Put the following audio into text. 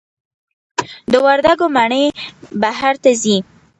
د وردګو مڼې بهر ته ځي؟